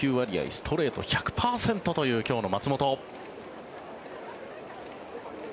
ストレート１００％という今日の松本。